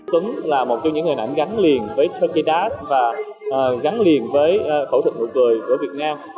tuấn là một trong những người gắn liền với tkdas và gắn liền với khẩu trực nụ cười của việt nam